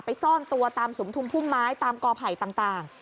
ซ่อนตัวตามสุมทุมพุ่มไม้ตามกอไผ่ต่าง